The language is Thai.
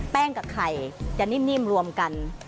กับไข่จะนิ่มรวมกัน